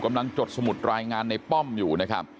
กำลังจดสมุดรายงานในป้อมอยู่